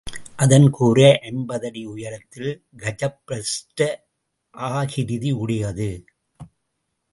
அதன் கூரை ஐம்பது அடி உயரத்தில் கஜப்பிரஷ்ட ஆகிருதி உடையது.